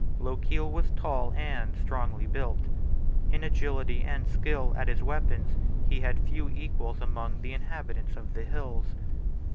Lochiel was tall and strongly built. In agility and skill at his weapons he had few equals among the inhabitants of the hills.